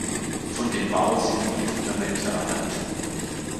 Von dem Bau sind nur die Fundamente erhalten.